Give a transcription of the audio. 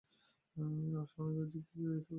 আর সনদের দিক থেকে এটি বিশুদ্ধতর।